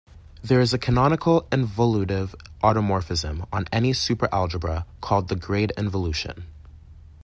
There is a canonical involutive automorphism on any superalgebra called the grade involution.